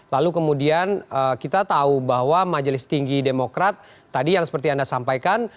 lalu kemudian kita tahu bahwa majelis tinggi demokrat tadi yang seperti anda sampaikan